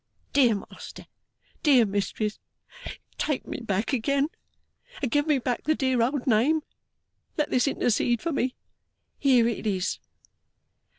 Dear Master, dear Mistress, take me back again, and give me back the dear old name! Let this intercede for me. Here it is!